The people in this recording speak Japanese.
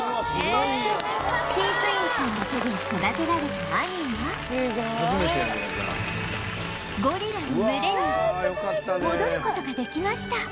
こうして飼育員さんの手で育てられたアニーはゴリラの群れに戻る事ができました